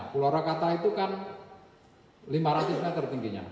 pulau rakata itu kan lima ratus meter tingginya